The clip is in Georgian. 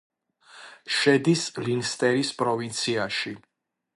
შედის ლენსტერის პროვინციაში.